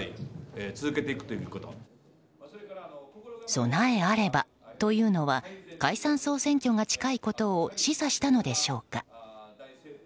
備えあればというのは解散・総選挙が近いことを示唆したのでしょうか。